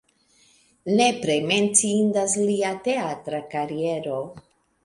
Nepre menciindas lia teatra kariero.